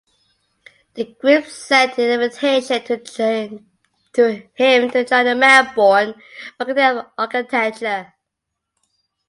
The group sent an invitation to him to join the Melbourne faculty of architecture.